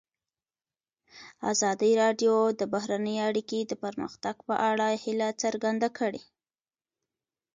ازادي راډیو د بهرنۍ اړیکې د پرمختګ په اړه هیله څرګنده کړې.